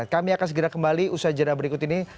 kami akan segera kembali usaha jadwal berikut ini